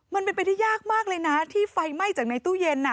มันเป็นไปได้ยากมากเลยนะที่ไฟไหม้จากในตู้เย็น